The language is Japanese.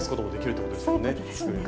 そういうことですね。